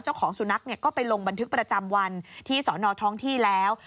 เจ้าของสุนัขก็ไปลงบันทึกประจำวันที่สอนอท้องที่แล้ว